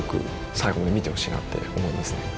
最後まで見てほしいなって思いますね。